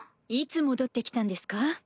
いつ戻ってきたんですか？